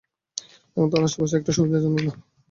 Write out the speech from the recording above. এখন তার আশেপাশে থাকাটা সুবিধাজনক না।